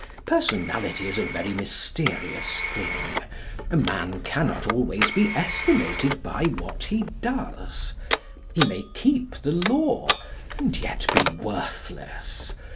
Personality is a very mysterious thing. A man cannot always be estimated by what he does. He may keep the law, and yet be worthless.